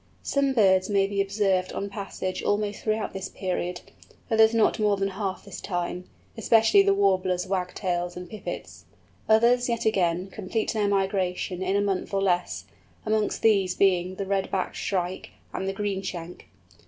Some birds may be observed on passage almost throughout this period; others not more than half this time—especially the Warblers, Wagtails, and Pipits—others, yet again, complete their migration in a month or less, amongst these being the Red backed Shrike and the Greenshank.